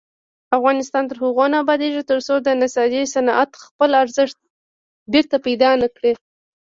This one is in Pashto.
افغانستان تر هغو نه ابادیږي، ترڅو د نساجي صنعت خپل ارزښت بیرته پیدا نکړي.